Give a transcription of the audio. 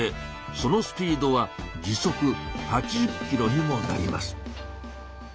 そのスピードは時速８０キロにもなります。